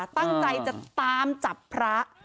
ตั้งใจจะตามจับพระ